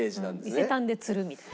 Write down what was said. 伊勢丹で釣るみたいな。